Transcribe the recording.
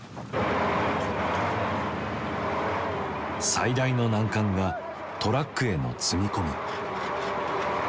最大の難関がトラックへの積み込み。